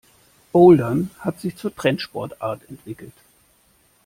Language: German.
Bouldern hat sich zur Trendsportart entwickelt.